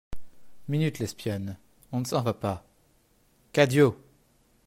Minute, l'espionne ! on ne s'en va pas ! CADIO.